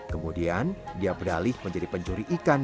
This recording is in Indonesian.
kemudian dia berdalih menjadi pencuri ikan di sembunyai